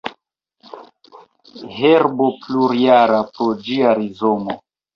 Herbo plurjara pro ĝia rizomo.